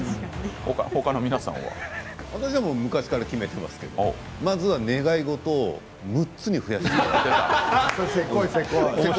私は昔から決めていますけどまずは、願い事を６つに増やす。